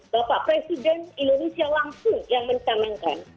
bapak presiden indonesia langsung yang mencanangkan